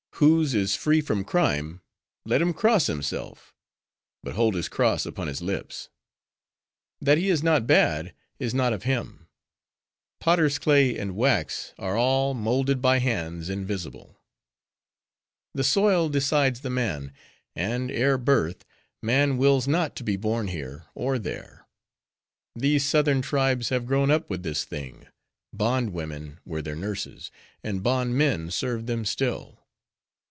Whose is free from crime, let him cross himself—but hold his cross upon his lips. That he is not bad, is not of him. Potters' clay and wax are all, molded by hands invisible. The soil decides the man. And, ere birth, man wills not to be born here or there. These southern tribes have grown up with this thing; bond women were their nurses, and bondmen serve them still.